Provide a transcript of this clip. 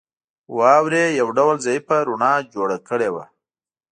واورې یو ډول ضعیفه رڼا جوړه کړې وه